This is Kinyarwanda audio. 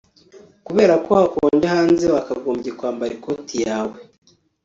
Kubera ko hakonje hanze wakagombye kwambara ikoti yawe